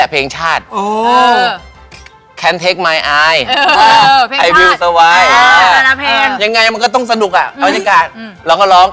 มันเจอแต่เพลงเนี้ยเราก็ร้อง